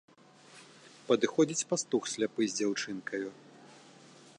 Падыходзіць пастух сляпы з дзяўчынкаю.